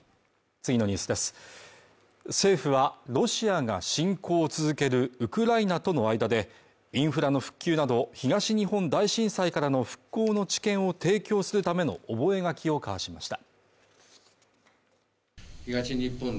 政府は、ロシアが侵攻を続けるウクライナとの間で、インフラの復旧など、東日本大震災からの復興の知見を提供するための覚書を交わしました。